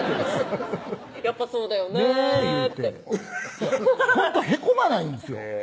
「やっぱそうだよね」ってほんとへこまないんですよ